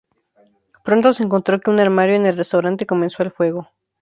Pronto se encontró que un armario en el restaurante comenzó el fuego.